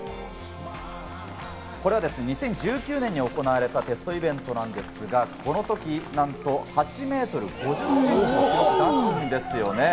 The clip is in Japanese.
これはですね、２０１９年に行われたテストイベントなんですが、この時なんと８ｍ５０ｃｍの記録を出すんですよね。